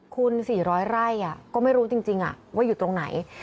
คุณสี่ร้อยไร่ก็ไม่รู้จริงอ่ะว่าอยู่ตรงไหน